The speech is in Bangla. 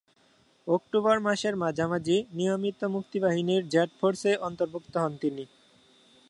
অক্টোবর মাসের মাঝামাঝি নিয়মিত মুক্তিবাহিনীর জেড ফোর্সে অন্তর্ভুক্ত হন তিনি।